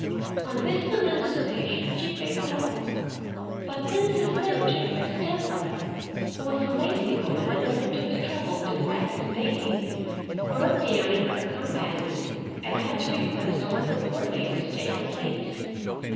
On this momentous occasion she played well. But Princess Terute, her step mother, who was a lazy woman and never took the trouble to practice daily, broke down in her accompaniment and had to request one of the Court ladies to take her place.